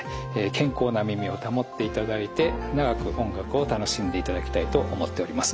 健康な耳を保っていただいて長く音楽を楽しんでいただきたいと思っております。